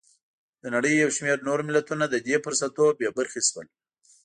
د نړۍ یو شمېر نور ملتونه له دې فرصتونو بې برخې شول.